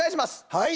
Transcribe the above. はい！